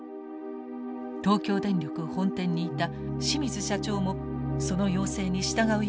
東京電力本店にいた清水社長もその要請に従うよう指示しました。